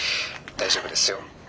大丈夫ですよ。